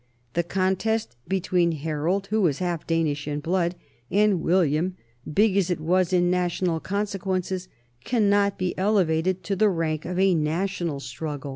The contest between Harold, who was half Danish in blood, and William, big as it was in national consequences, cannot be elevated to the rank of a na tional struggle.